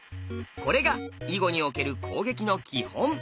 これが囲碁における攻撃の基本。